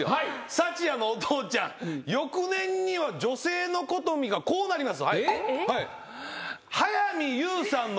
福也のお父ちゃん翌年には女性の好みがこうなります。